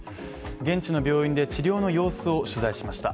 現地の病院で治療の様子を取材しました。